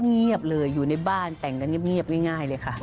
เงียบเลยอยู่ในบ้านแต่งกันเงียบง่ายเลยค่ะ